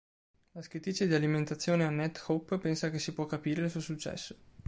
La scrittrice di alimentazione Annette Hope pensa che "si può capire il suo successo.